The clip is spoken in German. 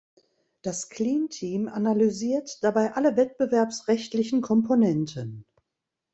Das Clean Team analysiert dabei alle wettbewerbsrechtlichen Komponenten.